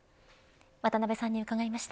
渡辺さんに伺いました。